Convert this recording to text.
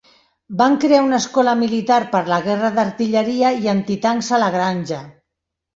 Van crear una escola militar per la guerra d'artilleria i antitancs a la granja.